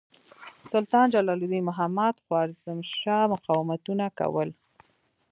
سلطان جلال الدین محمد خوارزمشاه مقاومتونه کول.